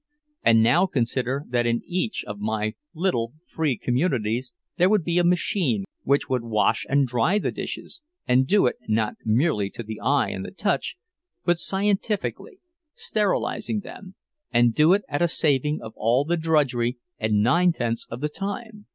And now consider that in each of my little free communities there would be a machine which would wash and dry the dishes, and do it, not merely to the eye and the touch, but scientifically—sterilizing them—and do it at a saving of all the drudgery and nine tenths of the time!